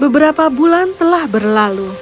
beberapa bulan telah berlalu